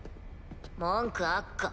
文句あっか？